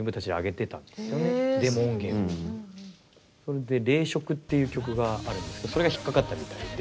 それで「零色」っていう曲があるんですけどそれが引っ掛かったみたいで。